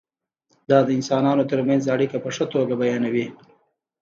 دا د انسانانو ترمنځ اړیکه په ښه توګه بیانوي.